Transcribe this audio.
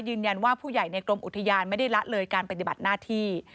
ยืนยันว่าผู้ใหญ่ในกรมอุทยานไม่ได้ละเลยการปฏิบัติหน้าที่